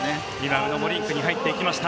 宇野もリンクに入っていきました。